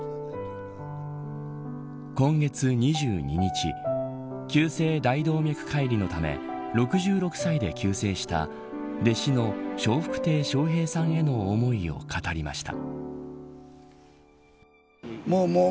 今月２２日急性大動脈解離のため６６歳で急逝した弟子の笑福亭笑瓶さんへの思いを語りました。